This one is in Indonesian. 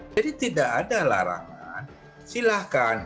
jadi tidak ada larangan silakan